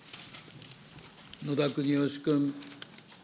野田国義君。